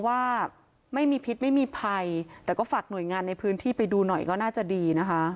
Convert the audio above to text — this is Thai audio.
หากหน่วยงานในพื้นที่ไปดูหน่อยก็น่าจะดีนะคะ